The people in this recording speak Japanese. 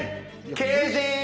刑事！